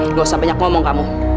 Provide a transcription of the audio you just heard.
nggak usah banyak ngomong kamu